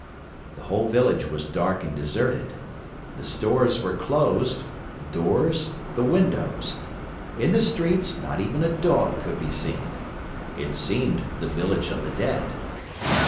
The whole village was dark and deserted. The stores were closed, the doors, the windows. In the streets, not even a dog could be seen. It seemed the Village of the Dead.